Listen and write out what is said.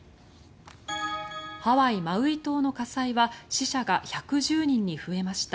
ハワイ・マウイ島の火災は死者が１１０人に増えました。